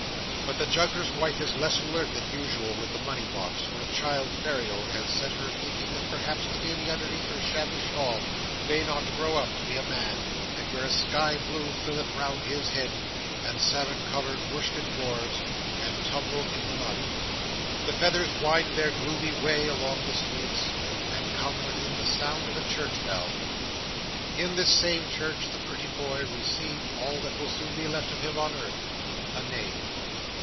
But the juggler's wife is less alert than usual with the money box, for a child's burial has set her thinking that perhaps the baby underneath her shabby shawl may not grow up to be a man, and wear a sky blue fillet round his head, and salmon coloured worsted drawers, and tumble in the mud. The feathers wind their gloomy way along the streets, and come within the sound of a church bell. In this same church, the pretty boy received all that will soon be left of him on earth—a name.